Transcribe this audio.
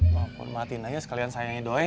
wapun matiin aja sekalian sayangnya doi